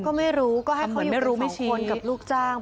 ก็ไม่รู้ก็ให้เขาอยู่กับสองคนกับลูกจ้าง